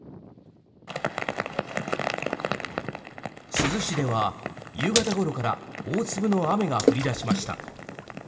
珠洲市では夕方ごろから大粒の雨が降り出しました。